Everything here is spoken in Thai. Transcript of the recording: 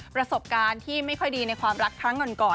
ประสบการณ์ที่ไม่ค่อยดีในความรักครั้งก่อน